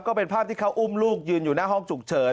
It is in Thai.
ก็เป็นภาพที่เขาอุ้มลูกยืนอยู่หน้าห้องฉุกเฉิน